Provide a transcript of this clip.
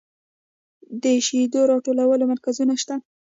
د شیدو راټولولو مرکزونه شته؟